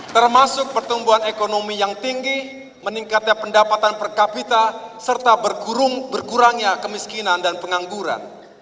termasuk pertumbuhan ekonomi yang tinggi meningkatnya pendapatan per kapita serta berkurangnya kemiskinan dan pengangguran